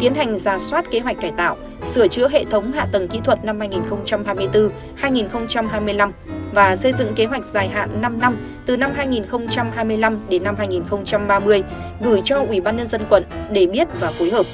tiến hành ra soát kế hoạch kẻ tạo sửa chữa hệ thống hạ tầng kỹ thuật năm hai nghìn hai mươi bốn hai nghìn hai mươi năm và xây dựng kế hoạch dài hạn năm năm từ năm hai nghìn hai mươi năm hai nghìn ba mươi gửi cho quỹ ban nhân dân quận để biết và phối hợp